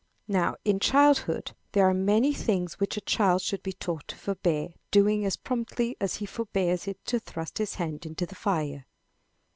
Now in childhood, there are many things which a child should be taught to forbear doing as promptly as he forbears to thrust his hand into the fire.